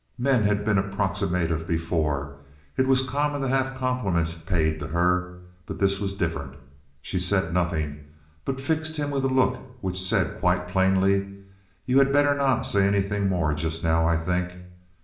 Many men had been approximative before. It was common to have compliments paid to her. But this was different. She said nothing, but fixed him with a look which said quite plainly, "You had better not say anything more just now, I think."